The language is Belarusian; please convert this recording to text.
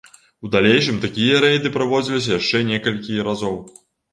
У далейшым такія рэйды праводзіліся яшчэ некалькі разоў.